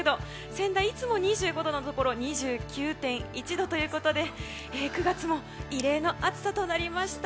仙台はいつも２５度のところ２９．１度ということで９月も異例の暑さとなりました。